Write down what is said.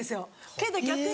けど逆に。